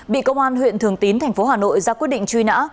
bị công an huyện thường tín tp hà nội ra quyết định truy nã